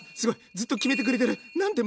ずっとキメてくれてる。